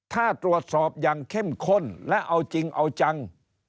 ถ้าตรวจสอบอย่างเข้มข้นและเอาจริงเอาจัง